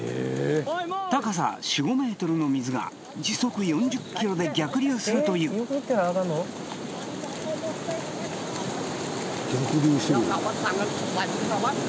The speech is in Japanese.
高さ４５ｍの水が時速４０キロで逆流するというウオーッ！